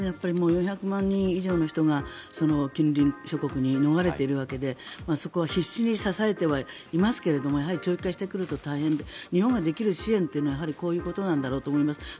４００万人以上の人が近隣諸国に逃れているわけでそこは必死に支えてはいますけれどもやはり長期化してくると大変で日本ができる支援というのはこういうことなんだろうと思います。